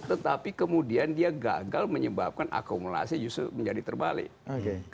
tetapi kemudian dia gagal menyebabkan akumulasi justru menjadi terbalik